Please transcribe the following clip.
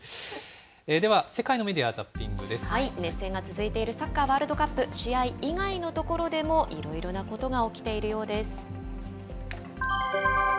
では世界のメディア・ザッピング熱戦が続いているサッカーワールドカップ。試合以外のところでもいろいろなことが起きているようです。